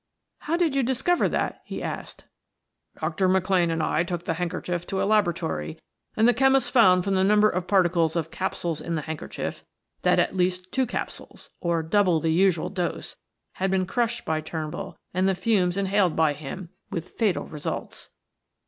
"How did you discover that?" he asked. "Dr. McLane and I took the handkerchief to a laboratory and the chemist found from the number of particles of capsules in the handkerchief, that at least two capsules or double the usual dose had been crushed by Turnbull and the fumes inhaled by him; with fatal results."